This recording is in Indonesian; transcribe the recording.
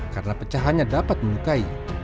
karena pecahannya dapat menyebabkan